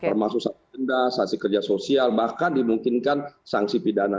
termasuk sasaran pendana saksi kerja sosial bahkan dimungkinkan sanksi pidana